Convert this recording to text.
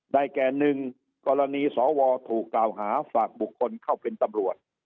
แก่หนึ่งกรณีสวถูกกล่าวหาฝากบุคคลเข้าเป็นตำรวจ